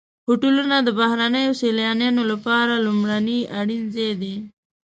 هوټلونه د بهرنیو سیلانیانو لپاره لومړنی اړین ځای دی.